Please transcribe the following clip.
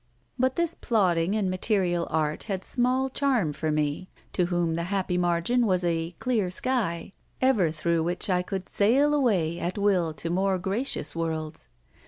But this plodding and material art had small charm for me: to whom the happy margin was a "clear sky" ever through which I could sail away at will to more gracious worlds.